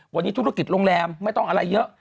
วันนี้ธุรกิจโรงแรมไม่ต้องอะไรเยอะ